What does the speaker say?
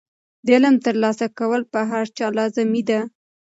د علم ترلاسه کول په هر چا لازمي دي.